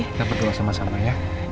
kita berdua sama sama ya